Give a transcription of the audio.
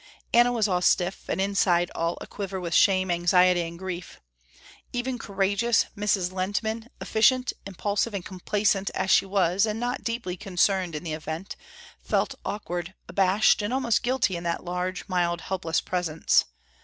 Anna was all stiff, and inside all a quiver with shame, anxiety and grief. Even courageous Mrs. Lehntman, efficient, impulsive and complacent as she was and not deeply concerned in the event, felt awkward, abashed and almost guilty in that large, mild, helpless presence.